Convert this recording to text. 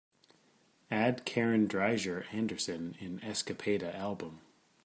add Karin Dreijer Andersson in Escapada album